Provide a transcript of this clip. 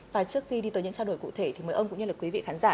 và trước khi đi tới những trao đổi cụ thể thì mời ông cũng như là quý vị khán giả